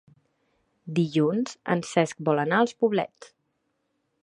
Dilluns en Cesc vol anar als Poblets.